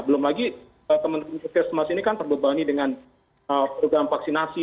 belum lagi fast cash primer ini kan terbebani dengan program vaksinasi